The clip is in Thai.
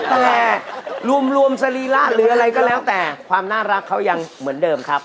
แต่รวมสรีระหรืออะไรก็แล้วแต่ความน่ารักเขายังเหมือนเดิมครับ